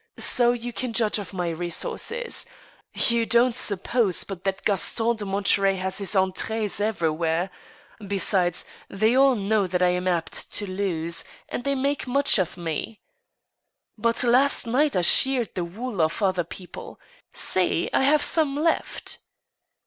So you can judge of my resources. You don't suppose but that Gaston de Monterey has his entrees everywhere I Besides, they all know that I am apt to THE PRODIGAL HUSBAND. 53 lose, and they make much of me. But last night I sheared the wool off of other people. See I I have some left."